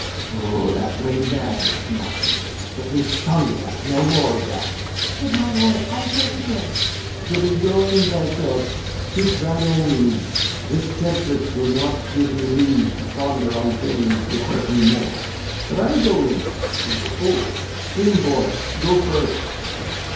O, that way madness lies; let me shun that! No more of that. Kent. Good my lord, enter here. Lear. Prithee go in thyself; seek thine own ease. This tempest will not give me leave to ponder On things would hurt me more. But I'll go in. [To the Fool] In, boy; go first.